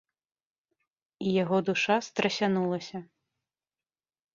І яго душа страсянулася.